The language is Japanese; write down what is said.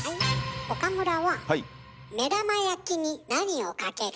岡村は目玉焼きに何をかける？